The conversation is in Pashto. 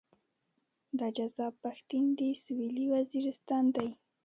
دا جذاب پښتين د سويلي وزيرستان دی.